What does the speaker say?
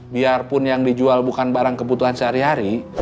biarpun yang dijual bukan barang kebutuhan sehari hari